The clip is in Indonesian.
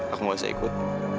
aku gak usah ikut